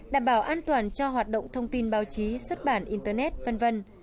đảm bảo an toàn cho hoạt động thông tin báo chí xuất bản internet v v